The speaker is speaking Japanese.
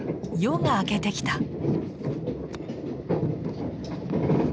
夜が明けてきた。